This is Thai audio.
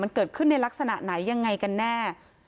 มันเกิดขึ้นในลักษณะไหนยังไงกันแน่